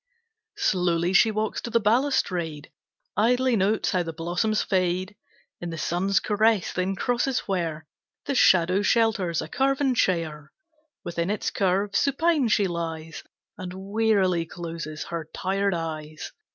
Slowly she walks to the balustrade, Idly notes how the blossoms fade In the sun's caress; then crosses where The shadow shelters a carven chair. Within its curve, supine she lies, And wearily closes her tired eyes.